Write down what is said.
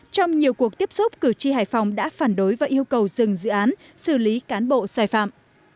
trong nhiều cuộc tiếp xúc cử tri hải phòng đã phản đối và yêu cầu dừng dự án xử lý cán bộ sai phạm